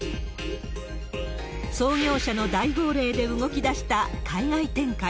創業者の大号令で動きだした海外展開。